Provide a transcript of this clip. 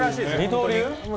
二刀流？